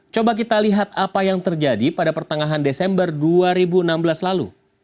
coba kita lihat apa yang terjadi pada pertengahan desember dua ribu enam belas lalu